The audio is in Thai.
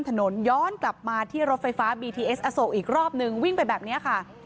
ถนนย้อนกลับมาที่รถไฟฟ้าอีกรอบหนึ่งวิ่งไปแบบนี้ค่ะ